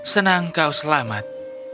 senang kau selamat